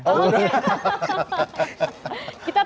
kita takut ketuker soal ya